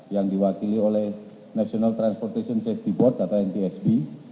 yang diwakili oleh national transportation safety board atau ntsb